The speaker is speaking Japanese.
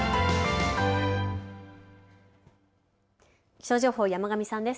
気象情報、山神さんです。